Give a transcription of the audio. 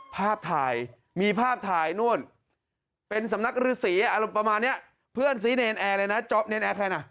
ภาพไทยมีภาพไทยนู่นเป็นสำนักศิริอรุณประมาณเนี่ยเพื่อนสีเนนแอร์เลยนะเนนแอร์ใครนะ